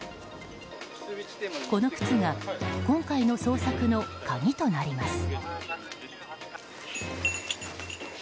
この靴が今回の捜索の鍵となります。